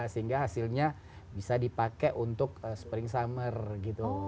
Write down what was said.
sehingga hasilnya bisa dipakai untuk spring summer gitu